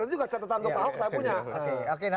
itu juga catatan ke pak ahok saya punya